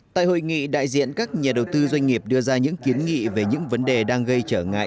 tại hội nghị đại diện các nhà đầu tư doanh nghiệp đưa ra những kiến nghị về những vấn đề đang gây trở ngại